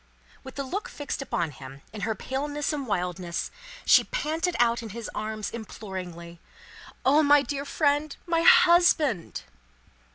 With the look fixed upon him, in her paleness and wildness, she panted out in his arms, imploringly, "O my dear friend! My husband!"